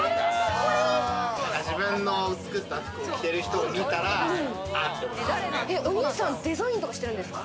自分の作った服を着てる人を見たら、お兄さんデザインとかしてるんですか？